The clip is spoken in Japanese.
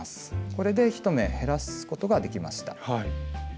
これで１目減らすことができました。